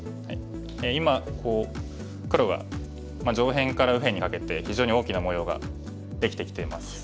今こう黒が上辺から右辺にかけて非常に大きな模様ができてきています。